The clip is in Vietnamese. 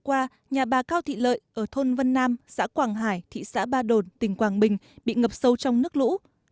trong cơn lũ vừa qua nhà bà cao thị lợi ở thôn vân nam xã quảng hải thị xã ba đồn tỉnh quảng bình bị ngập sâu trong nước lũ